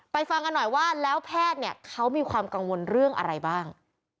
ฟังกันหน่อยว่าแล้วแพทย์เนี่ยเขามีความกังวลเรื่องอะไรบ้าง